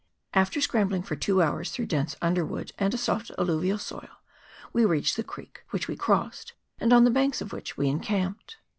After scrambling for two hours through dense underwood and a soft alluvial soil, we reached the creek, which we crossed, and on the banks of which we en camped.